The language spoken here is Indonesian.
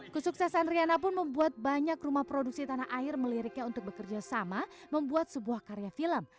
kesuksesan riana pun membuat banyak rumah produksi tanah air meliriknya untuk bekerja sama membuat sebuah karya film